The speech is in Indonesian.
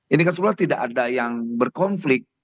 ini kasusnya tidak ada yang berkonflik